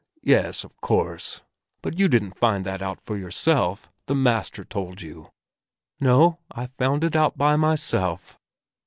"Yes, of course! But you didn't find that out for yourself; the master told you." "No, I found it out by myself."